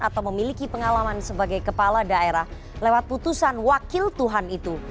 atau memiliki pengalaman sebagai kepala daerah lewat putusan wakil tuhan itu